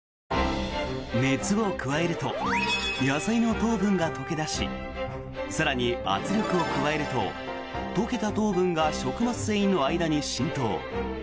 熱を加えると野菜の糖分が溶け出し更に圧力を加えると溶けた糖分が食物繊維の間に浸透。